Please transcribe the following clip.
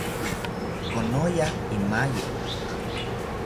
Konoya imaye